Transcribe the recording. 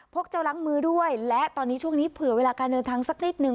กเจ้าล้างมือด้วยและตอนนี้ช่วงนี้เผื่อเวลาการเดินทางสักนิดนึ